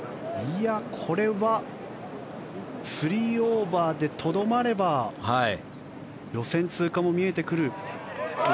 これは３オーバーでとどまれば予選通過も見えてくる。